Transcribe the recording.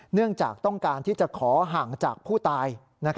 เนื่องจากต้องการที่จะขอห่างจากผู้ตาย